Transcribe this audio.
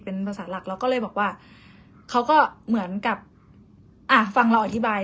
เป็นภาษาหลักเราก็เลยบอกว่าเขาก็เหมือนกับอ่ะฟังเราอธิบาย